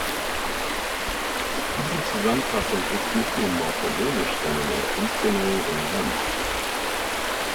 Diese Zusammenfassung ist nicht nur morphologisch, sondern auch funktionell relevant.